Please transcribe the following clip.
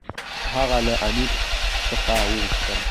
هغه له امیر څخه وغوښتل.